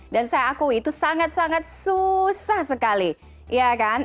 saya akui itu sangat sangat susah sekali ya kan